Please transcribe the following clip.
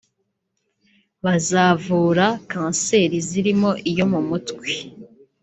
Bazavura kanseri zirimo iyo mu mutwe